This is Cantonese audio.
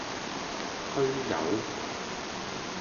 推友